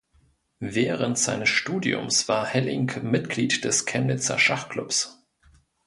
Während seines Studiums war Helling Mitglied des Chemnitzer Schachklubs.